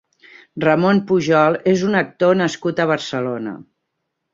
Ramon Pujol és un actor nascut a Barcelona.